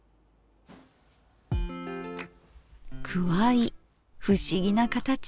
くわい不思議な形。